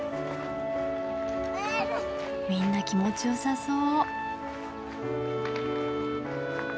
みんな気持ちよさそう。